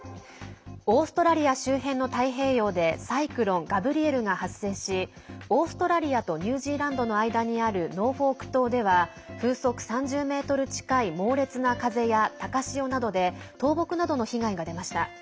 オーストラリア周辺の太平洋でサイクロン、ガブリエルが発生しオーストラリアとニュージーランドの間にあるノーフォーク島では風速３０メートル近い猛烈な風や高潮などで倒木などの被害が出ました。